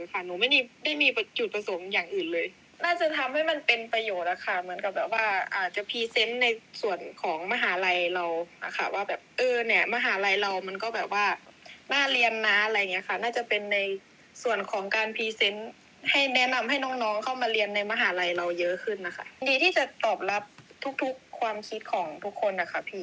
มีความรู้สึกว่ามีความรู้สึกว่ามีความรู้สึกว่ามีความรู้สึกว่ามีความรู้สึกว่ามีความรู้สึกว่ามีความรู้สึกว่ามีความรู้สึกว่ามีความรู้สึกว่ามีความรู้สึกว่ามีความรู้สึกว่ามีความรู้สึกว่ามีความรู้สึกว่ามีความรู้สึกว่ามีความรู้สึกว่ามีความรู้สึกว